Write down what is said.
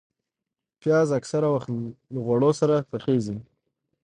پیاز اکثره وخت له غوړو سره پخېږي